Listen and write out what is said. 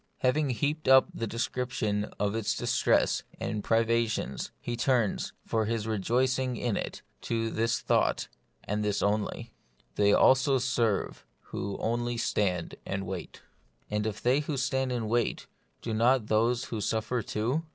Having heaped up the description of its distresses and privations, he turns, for his rejoicing in it, to this thought, and this only :—" They also serve who only stand and wait" And if they who stand and wait, do not those who suffer too